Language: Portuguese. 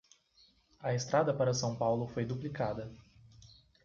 A estrada para São Paulo foi duplicada.